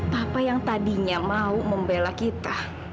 papa yang tadinya mau membela kita